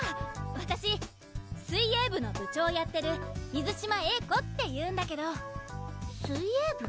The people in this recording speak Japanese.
わたし水泳部の部長やってる水島泳子っていうんだけど水泳部？